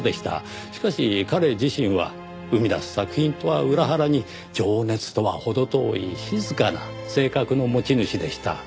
しかし彼自身は生み出す作品とは裏腹に情熱とは程遠い静かな性格の持ち主でした。